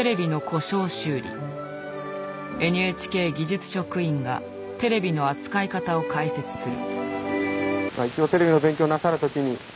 ＮＨＫ技術職員がテレビの扱い方を解説する。